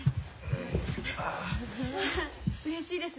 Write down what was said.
うれしいです。